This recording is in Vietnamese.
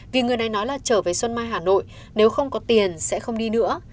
vì người này nói là trở về xuân mai hà nội nếu không có tiền sẽ không đi nữa